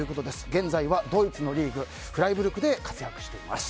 現在はドイツのリーグフライブルクで活躍しています。